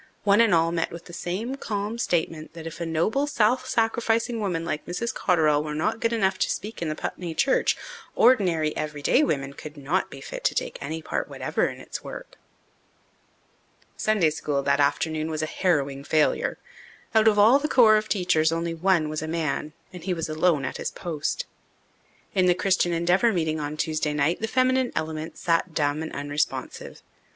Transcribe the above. One and all met with the same calm statement that if a noble, self sacrificing woman like Mrs. Cotterell were not good enough to speak in the Putney church, ordinary, everyday women could not be fit to take any part whatever in its work. Sunday School that afternoon was a harrowing failure. Out of all the corps of teachers only one was a man, and he alone was at his post. In the Christian Endeavour meeting on Tuesday night the feminine element sat dumb and unresponsive.